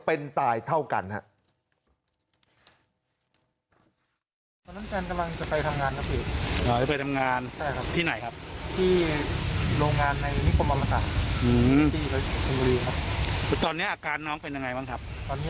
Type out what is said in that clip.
เป็นตายเท่ากันครับ